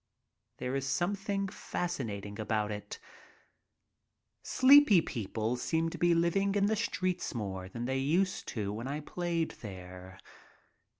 There is something fascinating about it. Sleepy people seem to be living in the streets more than they used to when I played there.